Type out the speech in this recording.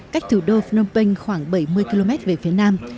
cách thủ đô phnom penh khoảng bảy mươi km về phía nam